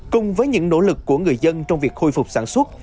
cùng với những nỗ lực của người dân trong việc khôi phục sản xuất